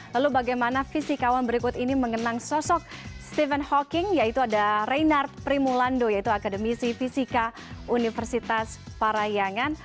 lalu bagaimana fisikawan berikut ini mengenang sosok stephen hawking yaitu ada reynard primulando yaitu akademisi fisika universitas parayangan